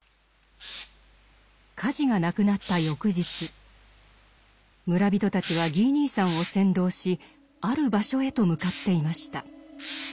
カジが亡くなった翌日村人たちはギー兄さんを先導しある場所へと向かっていました。